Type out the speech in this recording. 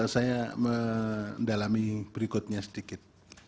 saya mendalami berikutnya sedikit